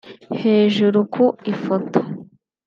Hejuru ku ifoto